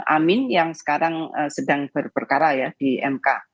amin yang sekarang sedang berperkara ya di mk